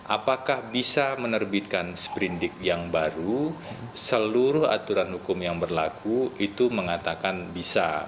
apakah bisa menerbitkan sprindik yang baru seluruh aturan hukum yang berlaku itu mengatakan bisa